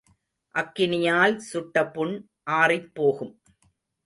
அக்கினியால் சுட்ட புண் ஆறிப் போகும்.